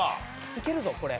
いけるぞこれ。